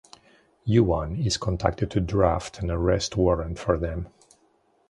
Yuan is contacted to draft an arrest warrant for them.